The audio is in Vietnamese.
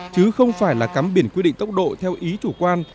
chứ không phải là cắm biển quy định tốc độ theo ý chủ quan